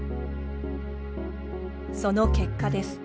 その結果です。